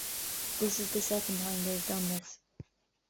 This is the second time they've done this.